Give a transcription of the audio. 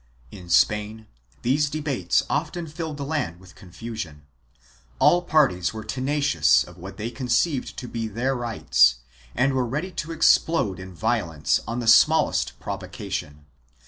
In Spain these debates often filled the land with confusion. All parties were tenacious of what they conceived to be their rights and were ready to explode in violence on the smallest provocation.